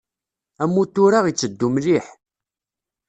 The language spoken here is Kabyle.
Amutur-a itteddu mliḥ.